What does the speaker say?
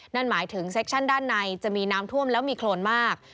นั่นหมายถึงเซคชั่นด้านในจะมีน้ำท่วมแล้วมีโครนมาก